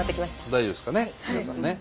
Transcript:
大丈夫ですかね皆さんね。